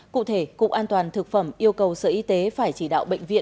cụ thể cục an toàn thực phẩm yêu cầu sở y tế phải chỉ đạo bệnh viện